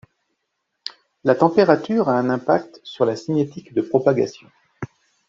La température a un impact sur la cinétique de propagation.